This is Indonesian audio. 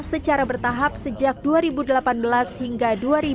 secara bertahap sejak dua ribu delapan belas hingga dua ribu dua puluh